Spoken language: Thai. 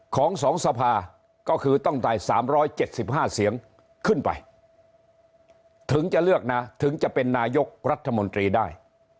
ของสองสภาก็คือต้องได้สามร้อยเจ็ดสิบห้าเสียงขึ้นไปถึงจะเลือกนะถึงจะเป็นนายกรัฐมนตรีได้